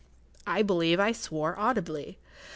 I believe I swore audibly.